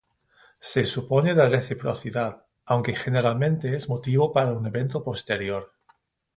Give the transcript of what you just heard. Se supone la reciprocidad, aunque generalmente es motivo para un evento posterior.